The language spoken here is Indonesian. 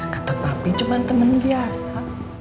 ketepapi cuman temen biasa